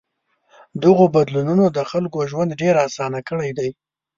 دغو بدلونونو د خلکو ژوند ډېر آسان کړی دی.